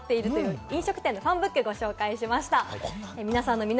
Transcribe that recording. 飲食店のファンブックをご紹介しました。